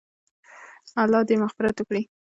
الله دې مغفرت وکړي -